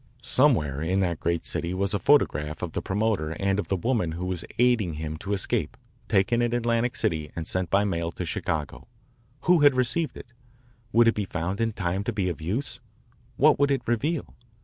Somewhere in that great city was a photograph of the promoter and of the woman who was aiding him to escape, taken in Atlantic City and sent by mail to Chicago. Who had received it? Would it be found in time to be of use? What would it reveal?